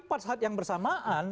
pada saat yang bersamaan